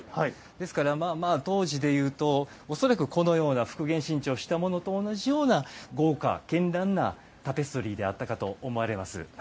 ですから、当時でいうとこのような復元新調したようなもので同じような豪華けんらんなタペストリーであったと思います。